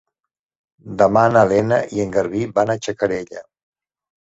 Demà na Lena i en Garbí van a Xacarella.